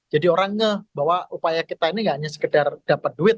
jadi orang ngeh bahwa upaya kita ini gak hanya sekedar dapat duit